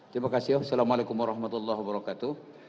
terima kasih wassalamu'alaikum warahmatullahi wabarakatuh